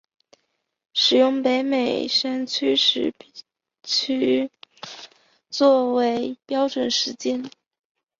使用北美山区时区作为标准时间。